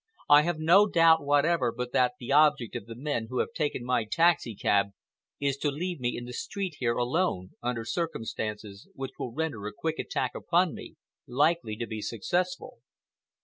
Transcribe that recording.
I have no doubt whatever but that the object of the men who have taken my taxicab is to leave me in the street here alone under circumstances which will render a quick attack upon me likely to be successful."